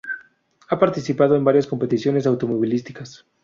Ha participado en varias competiciones automovilísticas.